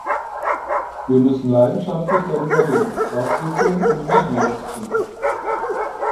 Wir müssen leidenschaftlich darüber reden, was wir tun und wie wir es tun.